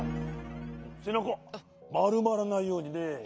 せなかまるまらないようにね。